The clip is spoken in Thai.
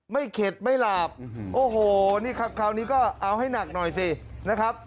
เข็ดไม่หลาบโอ้โหนี่ครับคราวนี้ก็เอาให้หนักหน่อยสินะครับ